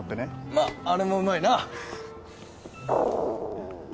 まっあれもうまいな！